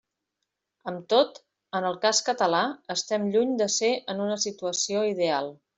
Amb tot, en el cas català, estem lluny de ser en una situació ideal.